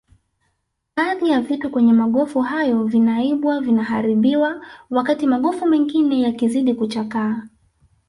Baadhi ya vitu kwenye magofu hayo vinaibwa vinaharibiwa wakati magofu mengine yakizidi kuchakaa